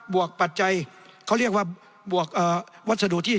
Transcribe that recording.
วกปัจจัยเขาเรียกว่าบวกวัสดุที่